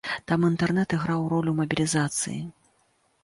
Там інтэрнэт іграў ролю мабілізацыі.